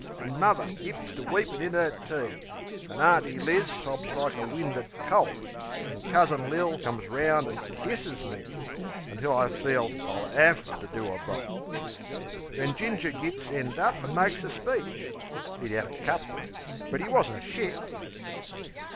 Then muvver gits to weepin' in 'er tea; An' Auntie Liz sobs like a winded colt; An' Cousin Lil comes 'round an' kisses me; Until I feel I'll 'AVE to do a bolt. Then Ginger gits end up an' makes a speech ('E'd 'ad a couple, but 'e wasn't shick.)